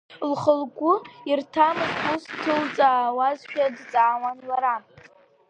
Лхы-лгәы ирҭамыз уск ҭылҵаауазшәа, дҵаауан лара.